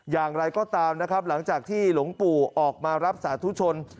อย่างไรก็ตามนะครับหลังจากที่หลวงปู่ออกมารับสาธุชน